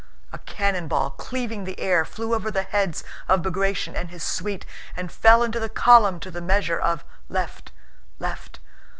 A cannon ball, cleaving the air, flew over the heads of Bagratión and his suite, and fell into the column to the measure of "Left... left!"